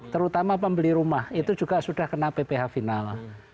terutama pembeli rumah itu juga sudah kena pph final